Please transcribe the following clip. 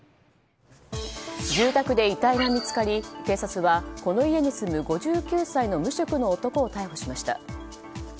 住宅で遺体が見つかり警察はこの家に住む５９歳の無職の男を逮捕しました。